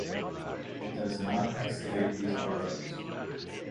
It does not excavate these burrows.